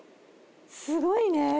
すごいね。